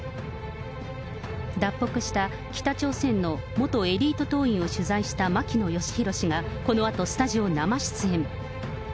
脱北した北朝鮮の元エリート党員を取材した牧野愛博氏がこのあとスタジオ生出演。